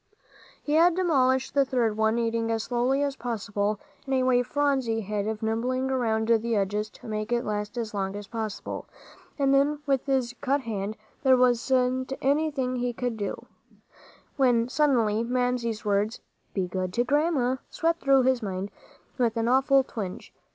He had demolished the third one, eating as slowly as possible, in a way Phronsie had of nibbling around the edges to make it last as long as possible; and then, with his cut hand, there wasn't anything he could do; when suddenly Mamsie's words, "Be good to Grandma," swept through his mind, with an awful twinge.